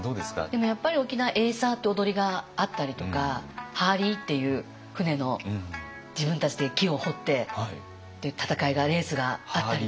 でもやっぱり沖縄エイサーって踊りがあったりとかハーリーっていう舟の自分たちで木を彫ってっていう戦いがレースがあったりとか。